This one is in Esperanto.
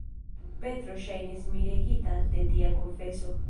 Petro ŝajnis miregita de tia konfeso.